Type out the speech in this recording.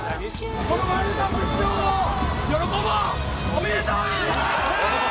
おめでとう！